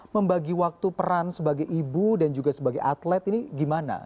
membagi waktu peran sebagai ibu dan juga sebagai atlet ini gimana